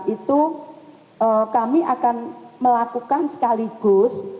itu kami akan melakukan sekaligus